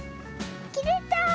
きれた。